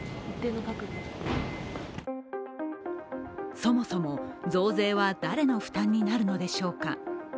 そもそも、増税は誰の負担になるのでしょうか。